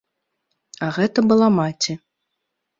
А гэта была маці.